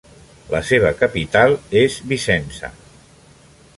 La seva capital és Vicenza.